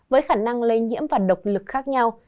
với khả năng lây nhiễm và độc lực khác nhau